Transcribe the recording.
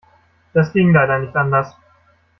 Das ging leider nicht anders.